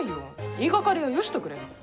言いがかりはよしとくれ。